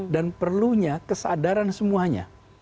dan perlunya kesadaran semuanya